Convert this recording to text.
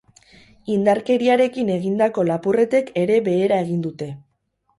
Indarkeriarekin egindako lapurretek ere behera egin dute.